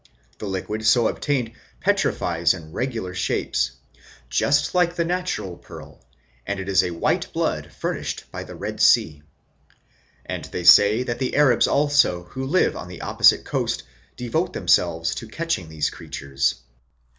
The liquid so obtained petrifies in regular shapes, just like the natural pearl, which is a white blood furnished by the Red Sea. And they say that the Arabs also who live on the opposite coast devote themselves to catching these creatures.